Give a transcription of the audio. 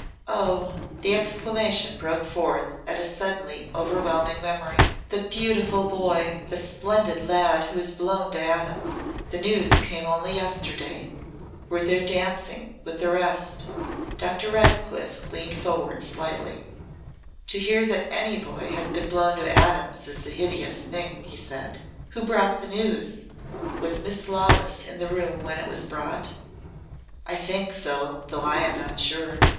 Oh!" the exclamation broke forth at a suddenly overwhelming memory. "The beautiful boy the splendid lad who was blown to atoms the news came only yesterday was there dancing with the rest!" Dr. Redcliff leaned forward slightly. "To hear that any boy has been blown to atoms is a hideous thing," he said. "Who brought the news? Was Miss Lawless in the room when it was brought?" "I think so though I am not sure.